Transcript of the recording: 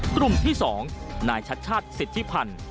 ตรุ่มที่สองนายชัชชาธิ์สิทธิพันธ์